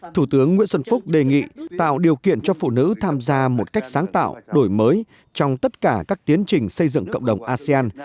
thủ tướng nguyễn xuân phúc đề nghị tạo điều kiện cho phụ nữ tham gia một cách sáng tạo đổi mới trong tất cả các tiến trình xây dựng cộng đồng asean